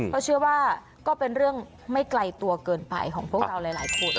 เขาเชื่อว่าก็เป็นเรื่องไม่ไกลตัวเกินไปของพวกเราหลายคน